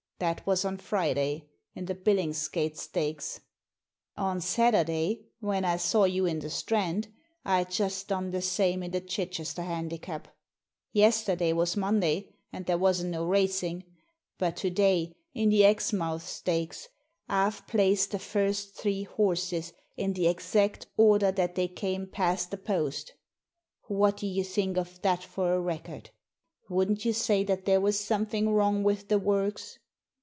That was on Friday, in the Billingsgate Stakes; on Saturday, when I saw you in the Strand, I'd just done the same in the Chichester Handicap. Yesterday was Monday, and there wasn't no racing ; but to day in the Exmouth Stakes I've placed the first three horses in the exact order that Uicy came past the post What do you Digitized by VjOOQIC 128 THE SEEN AND THE UNSEEN think of that for a record ? Wouldn't you say that there was something wrong with the works